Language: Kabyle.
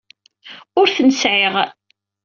Ur ten-sɛiɣ.